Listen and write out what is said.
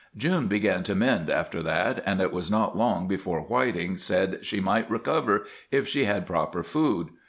June began to mend after that, and it was not long before Whiting said she might recover if she had proper food.